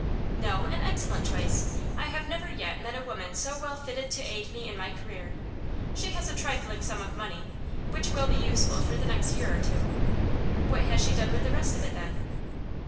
'No; an excellent choice. I have never yet met a woman so well fitted to aid me in my career. She has a trifling sum of money, which will be useful for the next year or two ' 'What has she done with the rest of it, then?